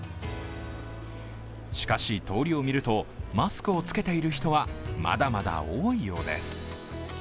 しかし、通りを見るとマスクを着けている人は、まだまだ多いようです。